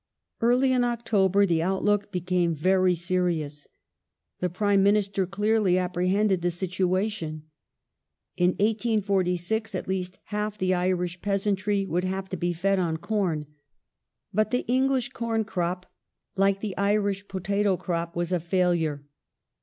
Early in October the outlook became very serious. The Prime Minister clearly apprehended the situation. In 1846 at least half the Irish peasantry would have to be fed on corn. But the English corn crop, like the Irish potato crop, was a failure.